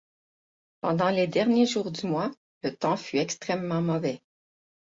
Pendant les derniers jours du mois, le temps fut extrêmement mauvais.